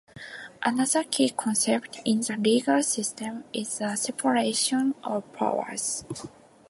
Another key concept in the legal system is the separation of powers.